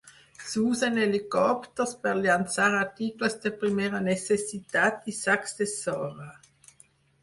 S'usen helicòpters per llançar articles de primera necessitat i sacs de sorra.